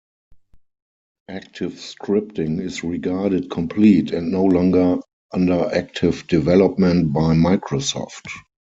Active scripting is regarded complete, and no longer under active development by Microsoft.